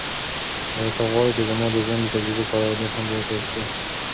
ایا ته غواړې چې زما د ژوند د تجربو په اړه نور هم وپوښتې؟